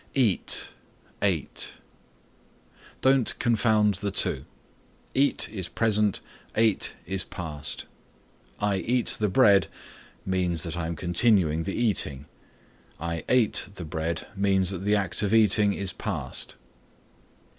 EAT ATE Don't confound the two. Eat is present, ate is past. "I eat the bread" means that I am continuing the eating; "I ate the bread" means that the act of eating is past.